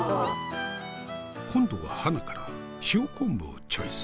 今度ははなから塩昆布をチョイス。